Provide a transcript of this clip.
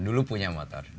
dulu punya motor